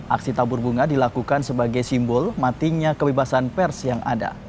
aksi tabur bunga dilakukan sebagai simbol matinya kebebasan pers yang ada